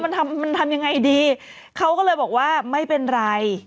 มันทำมันทำยังไงดีเขาก็เลยบอกว่าไม่เป็นไร